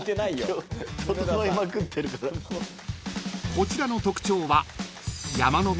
［こちらの特徴は］